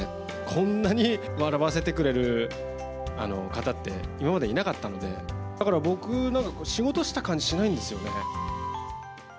こんなに笑わせてくれる方って今までいなかったので、だから、僕、なんか仕事した感じしないんですよね。